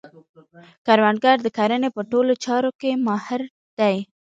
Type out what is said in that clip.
کروندګر د کرنې په ټولو چارو کې ماهر دی